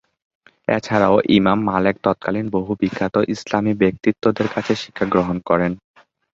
এছাড়াও Imam Malik তৎকালীন বহু বিখ্যাত ইসলামি ব্যক্তিত্বদের কাছে শিক্ষা গ্রহণ করেন।